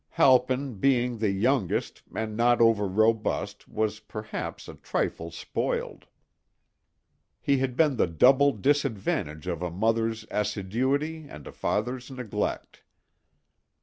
Halpin being the youngest and not over robust was perhaps a trifle "spoiled." He had the double disadvantage of a mother's assiduity and a father's neglect.